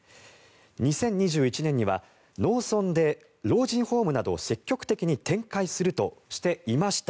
２０２１年には農村で老人ホームなどを積極的に展開するとしていました。